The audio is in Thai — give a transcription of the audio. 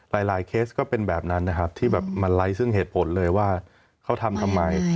หลายเคสก็เป็นแบบนั้นนะครับที่แบบมันไลค์ซึ่งเหตุผลเลยว่าเขาทำทำไม